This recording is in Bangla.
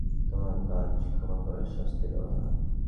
তোমার কাজ ক্ষমা করা, শাস্তি দেয়া নয়।